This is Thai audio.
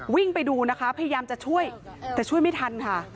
วิ่งไปดูนะคะพยายามจะช่วยแต่ช่วยไม่ทันค่ะ